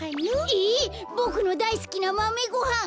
えボクのだいすきなまめごはん！